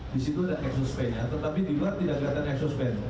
di situ ada exhaust panenya tetapi di luar tidak kelihatan exhaust panenya